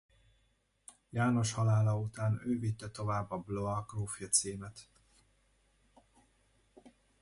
János halála után ő vitte tovább a Blois grófja címet.